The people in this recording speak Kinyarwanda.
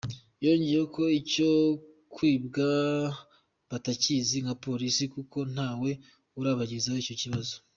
Yongeyeho ko icyo kwibwa batakizi nka Polisi kuko ntawe urabagezaho icyo kibazo.